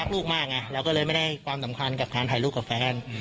เราก็เลยไม่ได้ความสำคัญกับทางถ่ายลูกและแฟน